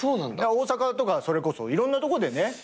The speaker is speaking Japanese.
大阪とかそれこそいろんなとこでね。